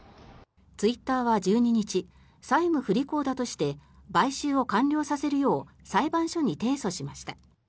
ツイッターは１２日債務不履行だとして買収を完了させるよう裁判所に提訴しました。